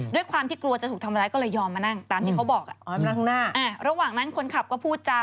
ด้วยความที่กลัวจะถูกทำร้ายก็เลยยอมมานั่งตามที่เขาบอกอ่ะอ๋อมานั่งข้างหน้าระหว่างนั้นคนขับก็พูดจา